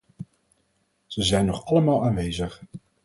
Zij zijn nog allemaal aanwezig.